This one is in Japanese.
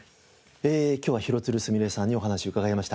今日は廣津留すみれさんにお話を伺いました。